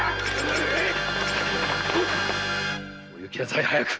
お行きなさい早く！